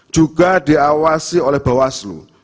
juga diawasi oleh bawaslu